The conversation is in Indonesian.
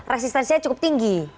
resistensinya cukup tinggi